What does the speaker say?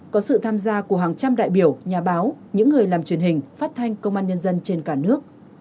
có sự tham gia của hàng trăm đại biểu nhà báo những người làm truyền hình phát thanh công an nhân dân trên cả nước